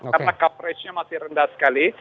karena coverage nya masih rendah sekali